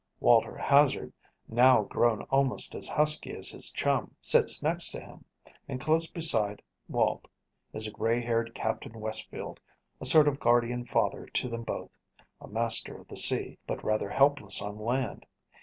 Walter Hazard, now grown almost as husky as his chum, sits next to him, and close beside Walt is gray haired Captain Westfield, a sort of guardian father to them both, a master of the sea, but rather helpless on land.